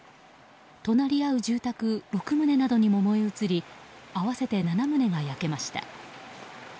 隣り合う住宅６棟などにも燃え移り合わせて７棟が焼けました。